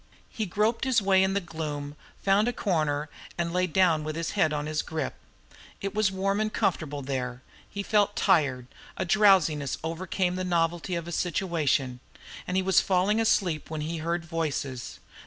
He groped his way in the gloom, found a corner, and lay down with his head on his grip. It was warm and comfortable there; he felt tired, a drowsiness overcame the novelty of his situation, and he was falling asleep when he heard voices.